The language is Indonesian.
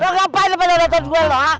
lu ngapain depan orang tua gue lu